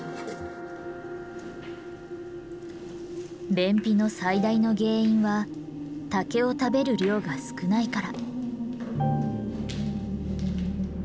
便秘の最大の原因は竹を食べる量が少ないから。